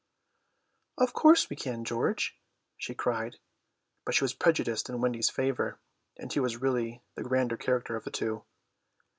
"Of course we can, George," she cried. But she was prejudiced in Wendy's favour, and he was really the grander character of the two.